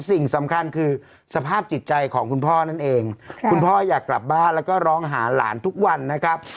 สิ่งสำคัญคือสภาพจิตใจของคุณพ่อนั่นเองคุณพ่ออยากกลับบ้านแล้วก็ร้องหาหลานทุกวันนะครับ